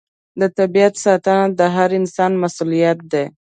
د طبیعت ساتنه د هر انسان مسوولیت دی.